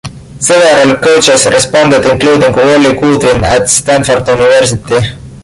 Several coaches responded, including Wally Goodwin at Stanford University.